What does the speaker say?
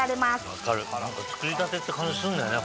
分かる作りたてって感じすんだよね。